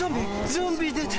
ゾンビ出た！